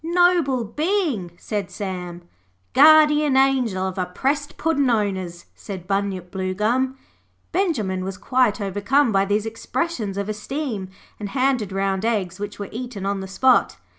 'Noble being,' said Sam. 'Guardian angel of oppressed Puddin' owners,' said Bunyip Bluegum. Benjimen was quite overcome by these expressions of esteem, and handed round eggs, which were eaten on the spot.